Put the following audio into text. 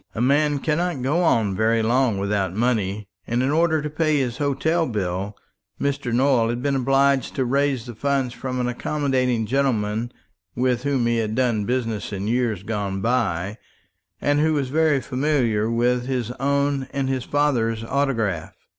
A man cannot go on very long without money; and in order to pay his hotel bill Mr. Nowell had been obliged to raise the funds from an accommodating gentleman with whom he had done business in years gone by, and who was very familiar with his own and his father's autograph.